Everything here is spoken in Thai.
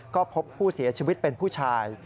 ก็พบผู้เสียชีวิตเป็นผู้ชาย